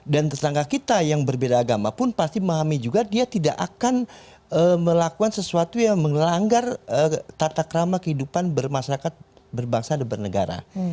dan tetangga kita yang berbeda agama pun pasti memahami juga dia tidak akan melakukan sesuatu yang mengelanggar tatak ramah kehidupan bermasyarakat berbangsa dan bernegara